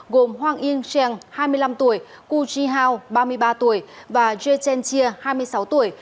gồm hoàng yên trang hai mươi năm tuổi cu chi hao ba mươi ba tuổi và duyên trang chia hai mươi sáu tuổi